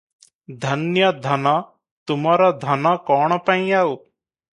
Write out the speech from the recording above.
ଧନ୍ୟ ଧନ! ତୁମର ଧନ କଣ ପାଇଁ ଆଉ ।